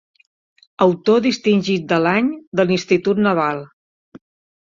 Autor distingit de l'any de l'Institut Naval.